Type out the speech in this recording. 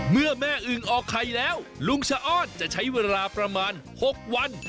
เมื่อแม่อึงออกไข่แล้วลุงชะอ้อนจะใช้เวลาประมาณ๖วัน